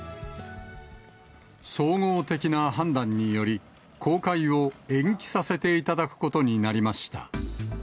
総合的な判断により、公開を延期させていただくことになりました。